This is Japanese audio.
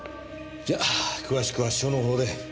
じゃあ詳しくは署の方で。